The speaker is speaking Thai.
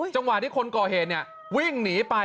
จังหวะที่คนก่อเหตุวิ่งหนีไป